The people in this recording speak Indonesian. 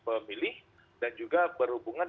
pemilih dan juga berhubungan